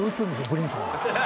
ブリンソンは。